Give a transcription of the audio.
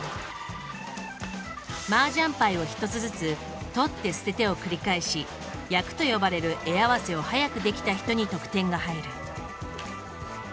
麻雀牌を１つずつ取って捨ててを繰り返し「役」と呼ばれる絵合わせを早くできた人に得点が入る。